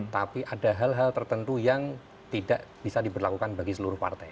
tapi ada hal hal tertentu yang tidak bisa diberlakukan bagi seluruh partai